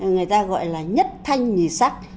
người ta gọi là nhất thanh thì sắc